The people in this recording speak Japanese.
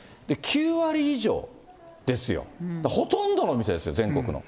９割以上ですよ、ほとんどのお店ですよ、全国の。